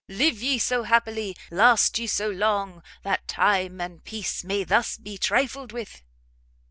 live ye so happily, last ye so long, that time and peace may thus be trifled with?"